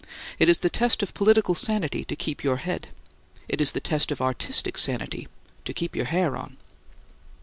It is the test of political sanity to keep your head. It is the test of artistic sanity to keep your hair on.